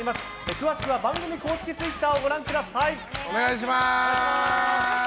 詳しくは番組公式ツイッターをご覧ください。